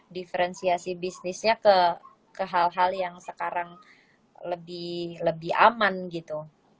diferensiasi bisnisnya ke hal hal yang sekarang lebih aman gitu